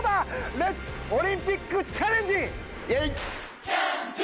レッツオリンピックチャレンジ！